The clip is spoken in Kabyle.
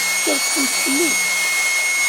Teskerksemt fell-i.